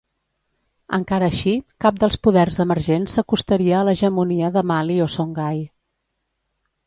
Encara així, cap dels poders emergents s'acostaria a l'hegemonia de Mali o Songhai.